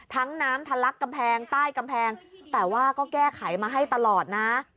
น้ำทะลักกำแพงใต้กำแพงแต่ว่าก็แก้ไขมาให้ตลอดนะ